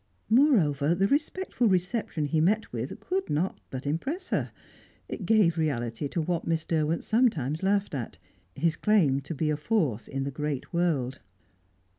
Moreover, the respectful reception he met with could not but impress her; it gave reality to what Miss Derwent sometimes laughed at, his claim to be a force in the great world.